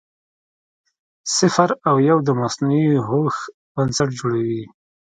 صفر او یو د مصنوعي هوښ بنسټ جوړوي.